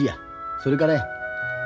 それからや。